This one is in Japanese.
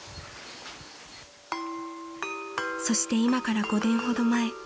［そして今から５年ほど前］